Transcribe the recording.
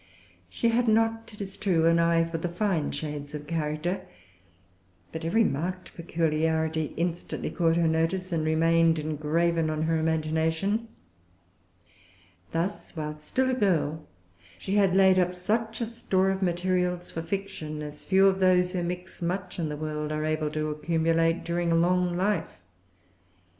She had not, it is true, an eye for the fine shades of character. But every marked peculiarity instantly caught her notice and remained engraven on her imagination. Thus while still a girl, she had laid up such a store of materials for fiction as few of those who mix much in the world are able to accumulate during a long life.